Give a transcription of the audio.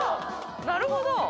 なるほど。